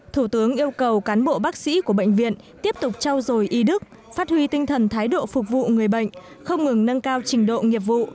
thủ tướng yêu cầu cán bộ bác sĩ của bệnh viện tiếp tục trao dồi y đức phát huy tinh thần thái độ phục vụ người bệnh không ngừng nâng cao trình độ nghiệp vụ